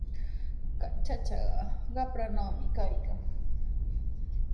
Kay chachaqa qapranami kaykan.